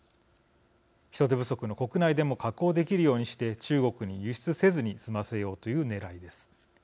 人手不足の国内でも加工できるようにして中国に輸出せずに済ませようというねらいです。